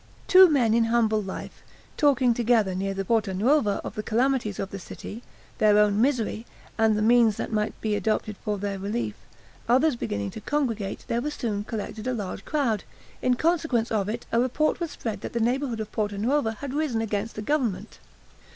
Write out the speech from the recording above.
Two men in humble life, talking together near the Porta Nuova of the calamities of the city, their own misery, and the means that might be adopted for their relief, others beginning to congregate, there was soon collected a large crowd; in consequence of it a report was spread that the neighborhood of Porta Nuova had risen against the government.